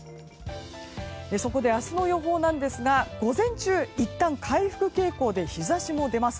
そこで、明日の予報なんですが午前中いったん回復傾向で日差しも出ます。